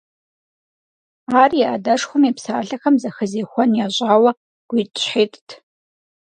Ар и адэшхуэм и псалъэхэм зэхэзехуэн ящӀауэ, гуитӀщхьитӀт…